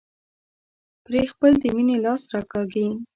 پرې خپل د مينې لاس راکاږي.